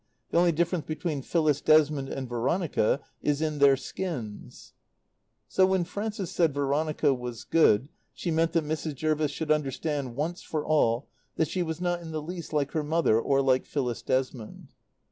The only difference between Phyllis Desmond and Veronica is in their skins." So when Frances said Veronica was good, she meant that Mrs. Jervis should understand, once for all, that she was not in the least like her mother or like Phyllis Desmond.